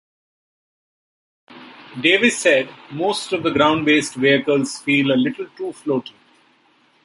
Davis said most of the ground-based vehicles feel a little too floaty.